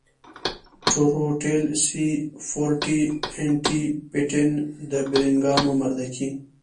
ټروټيل سي فور ټي ان ټي پټن د بېرنگانو مردکي.